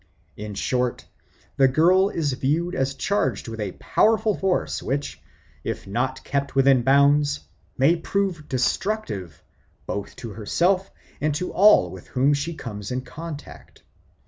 In short, the girl is viewed as charged with a powerful force which, if not kept within bounds, may prove destructive both to herself and to all with whom she comes in contact.